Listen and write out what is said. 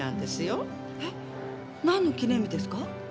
えっなんの記念日ですか？